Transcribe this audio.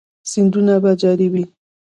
سیندونه به جاری وي؟